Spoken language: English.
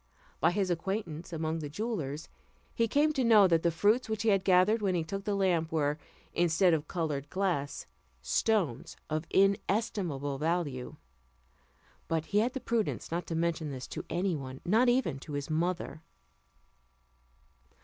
By his acquaintance among the jewellers, he came to know that the fruits which he had gathered when he took the lamp were, instead of coloured glass, stones of inestimable value; but he had the prudence not to mention this to any one, not even to his mother.